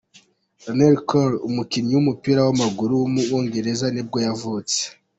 Larnell Cole, umukinnyi w’umupira w’amaguru w’umwongereza nibwo yavutse.